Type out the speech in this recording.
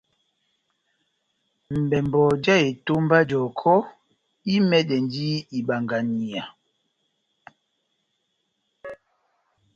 Mbɛmbɔ já etómba jɔkɔ́ imɛndɛndi ibanganiya.